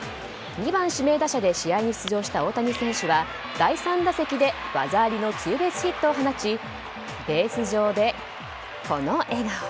２番指名打者で試合に出場した大谷選手は第３打席で技ありのツーベースヒットを放ちベース上で、この笑顔。